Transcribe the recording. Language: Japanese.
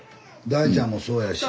大ちゃんもそうやし。